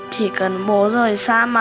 chỉ cần bố rời xa mặt